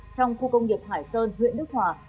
trong khu công nghiệp hải sơn huyện đức hòa